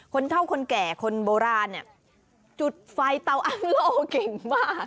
คนเท่าคนแก่คนโบราณเนี่ยจุดไฟเตาอ้างโล่เก่งมาก